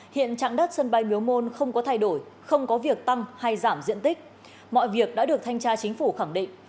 hiện trạng đất sân bay miếu môn không có thay đổi không có việc tăng hay giảm diện tích mọi việc đã được thanh tra chính phủ khẳng định